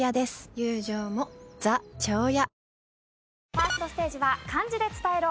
ファーストステージは漢字で伝えろ！